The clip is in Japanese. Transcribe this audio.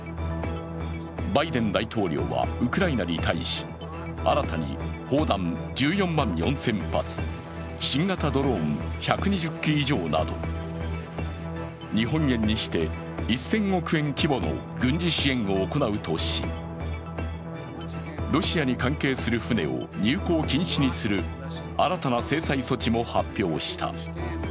バイデン大統領はウクライナに対し、新たに砲弾１４万４０００発、新型ドローン１２０機以上など日本円にして１０００億円規模の軍事支援を行うとし、ロシアに関係する船を入港禁止にする新たな制裁措置も発表した。